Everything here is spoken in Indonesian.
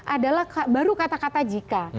adalah baru kata kata jika